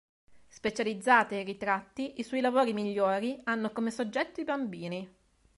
Specializzata in ritratti, i suoi lavori migliori hanno come soggetto i bambini.